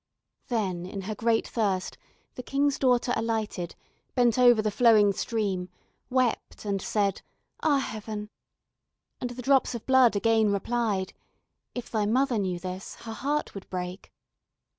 Then in her great thirst the King's daughter alighted, bent over the flowing stream, wept and said: "Ah, heaven!" and the drops of blood again replied: "If thy mother knew this, her heart would break."